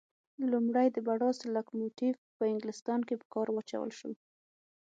لومړی د بړاس لکوموټیف په انګلیستان کې په کار واچول شو.